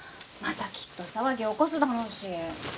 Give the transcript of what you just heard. またきっと騒ぎ起こすだろうし。